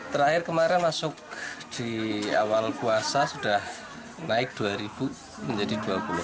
terakhir kemarin masuk di awal puasa sudah naik dua ribu menjadi dua puluh